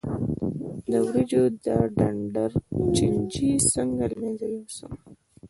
د وریجو د ډنډر چینجی څنګه له منځه یوسم؟